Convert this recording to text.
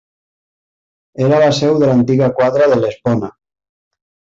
Era la seu de l'antiga quadra de l'Espona.